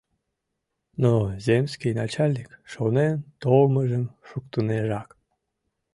Но земский начальник шонен толмыжым шуктынежак.